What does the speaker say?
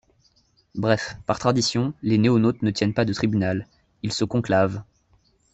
Bref : par tradition, les NoéNautes ne tiennent pas de tribunal : ils se conclavent.